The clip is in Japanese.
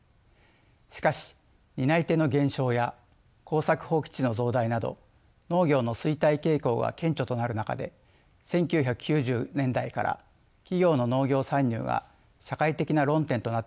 しかし担い手の減少や耕作放棄地の増大など農業の衰退傾向が顕著となる中で１９９０年代から企業の農業参入が社会的な論点となっていました。